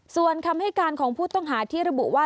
ส่วนคำให้การของผู้ต้องหาที่ระบุว่า